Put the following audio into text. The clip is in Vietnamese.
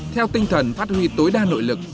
theo tinh thần phát huy tối đa nội lực